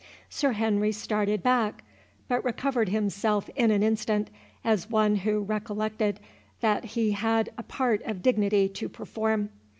Sir Henry started back, but recovered himself in an instant, as one who recollected that he had a part of dignity to perform.